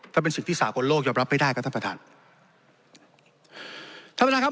และเป็นสิทธิสากลโลกยอมรับไม่ได้ครับท่านประธาน